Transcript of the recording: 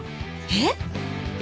えっ？